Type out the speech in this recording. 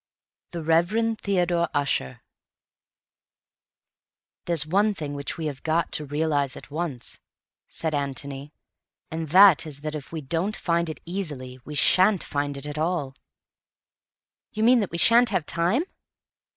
The Reverend Theodore Ussher "There's one thing, which we have got to realize at once," said Antony, "and that is that if we don't find it easily, we shan't find it at all." "You mean that we shan't have time?"